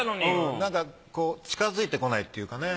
なんか近づいてこないっていうかね。